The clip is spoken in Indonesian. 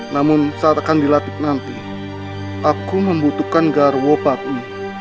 namun saat akan dilatih nanti aku membutuhkan garwo pati